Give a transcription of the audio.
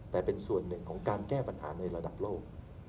แต่เป็นส่วนหนึ่งของการแก้ปัญหาในระดับโลก